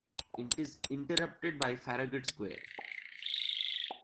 It is interrupted by Farragut Square.